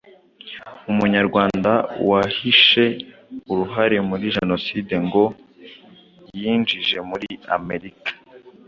Umunyarwanda wahishe uruhare muri Jenoside ngo yinjire muri Amerika